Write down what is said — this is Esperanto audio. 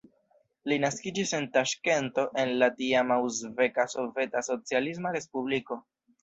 Li naskiĝis en Taŝkento, en la tiama Uzbeka Soveta Socialisma Respubliko.